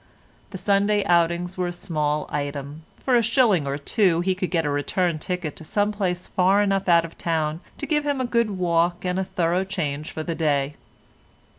The Sunday outings were a small item; for a shilling or two he could get a return ticket to some place far enough out of town to give him a good walk and a thorough change for the day.